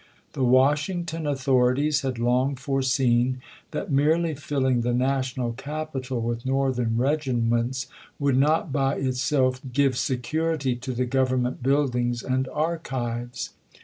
The Washington authorities had long foreseen that merely filling the national capital with Northern regiments would not by itself give security to the Government buildings and archives.